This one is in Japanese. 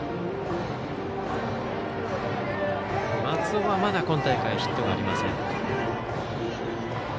松尾はまだ今大会ヒットがありません。